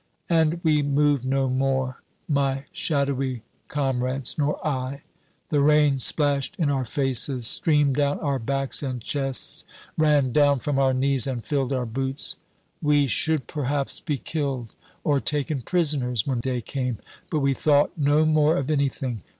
And we moved no more, my shadowy comrades nor I. The rain splashed in our faces, streamed down our backs and chests, ran down from our knees and filled our boots. We should perhaps be killed or taken prisoners when day came. But we thought no more of anything.